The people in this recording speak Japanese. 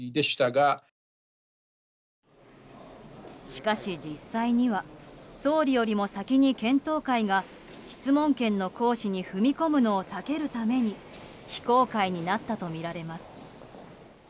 しかし、実際には総理よりも先に検討会が質問権の行使に踏み込むのを避けるために非公開になったとみられます。